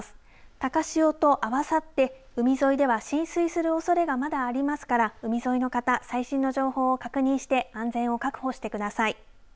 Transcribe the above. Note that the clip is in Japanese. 高潮とあわさって海沿いでは浸水するおそれがまだありますから海沿いの方最新の情報を確認して安全を確保してください。